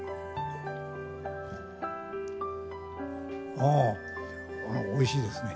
あおいしいですね。